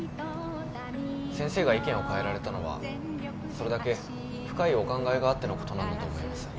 先生が意見を変えられたのはそれだけ深いお考えがあってのことなんだと思います。